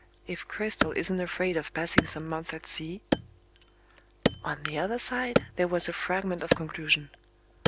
If Cristel isn't afraid of passing some months at sea..." On the other side, there was a fragment of conclusion